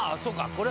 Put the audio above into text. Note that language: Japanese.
これ